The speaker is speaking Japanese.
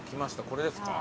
これですか？